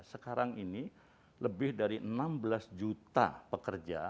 sekarang ini lebih dari enam belas juta pekerja